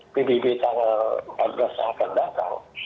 pbb tanggal empat belas yang akan datang